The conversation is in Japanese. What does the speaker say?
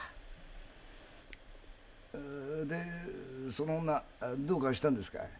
でその女どうかしたんですかい。